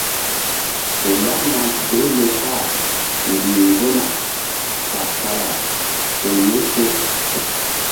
Fe laɓna behle kpah mbih nzona kaɓ kala sol ye se.